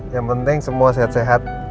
yang penting semua sehat sehat